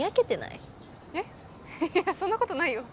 いやそんなことないよ